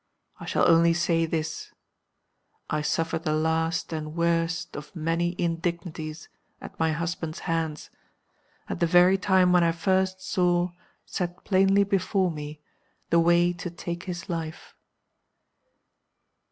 I shall only say this. I suffered the last and worst of many indignities at my husband's hands at the very time when I first saw, set plainly before me, the way to take his life.